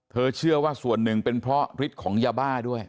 เชื่อว่าส่วนหนึ่งเป็นเพราะฤทธิ์ของยาบ้าด้วย